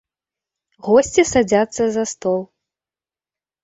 Госці садзяцца за стол.